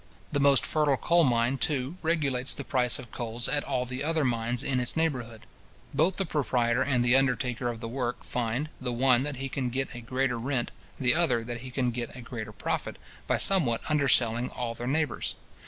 The most fertile coal mine, too, regulates the price of coals at all the other mines in its neighbourhood. Both the proprietor and the undertaker of the work find, the one that he can get a greater rent, the other that he can get a greater profit, by somewhat underselling all their neighbours.